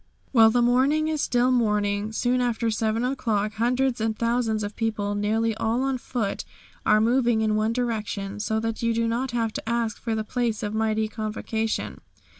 While the morning is still morning, soon after 7 o'clock, hundreds and thousands of people, nearly all on foot, are moving in one direction, so that you do not have to ask for the place of mighty convocation.